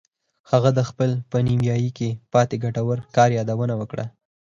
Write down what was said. هغه د خپل په نیمایي کې پاتې ګټور کار یادونه وکړه